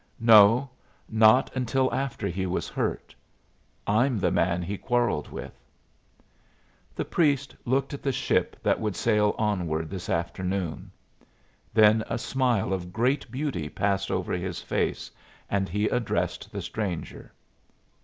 "No; not until after he was hurt. I'm the man he quarrelled with." The priest looked at the ship that would sail onward this afternoon. Then a smile of great beauty passed over his face, and he addressed the stranger.